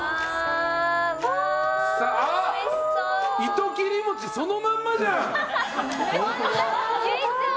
糸切餅そのまんまじゃん！